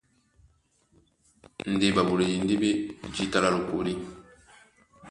Ndé ɓaɓoledi ndé ɓá e jǐta lá lokólí.